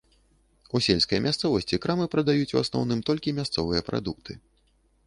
У сельскай мясцовасці крамы прадаюць у асноўным толькі мясцовыя прадукты.